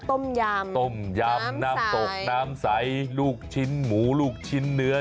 ต้มยำต้มยำน้ำตกน้ำใสลูกชิ้นหมูลูกชิ้นเนื้อ